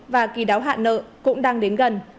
và kỳ đáo hạn nợ cũng đang đến gần